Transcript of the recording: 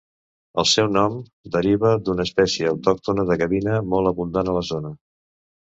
El seu nom deriva d'una espècie autòctona de gavina molt abundant a la zona.